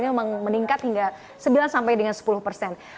memang meningkat hingga sembilan sampai dengan sepuluh persen